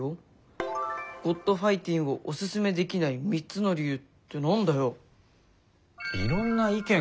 「『ｇｏｄファイティン』をおススメできない３つの理由」って何だよ。